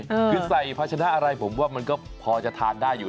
คือใส่ภาชนะอะไรผมว่ามันก็พอจะทานได้อยู่